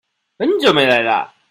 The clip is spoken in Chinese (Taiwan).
很久沒來了啊！